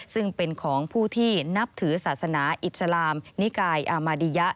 ซึ่งเป็นของผู้ที่นับถือศาสนาอิสลามนิกายอามาดิยะ